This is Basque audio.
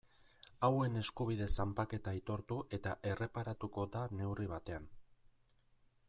Hauen eskubide zanpaketa aitortu eta erreparatuko da neurri batean.